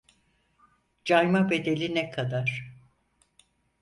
Cayma bedeli ne kadar